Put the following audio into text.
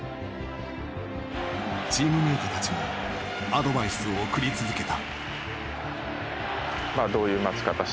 チームメートたちもアドバイスを送り続けた。